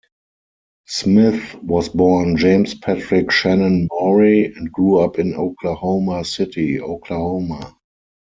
Smith was born James Patrick Shannon Morey and grew up in Oklahoma City, Oklahoma.